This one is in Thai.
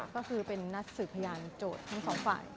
ก็คือเป็นนัดสืบพยานโจทย์ทั้งสองฝ่าย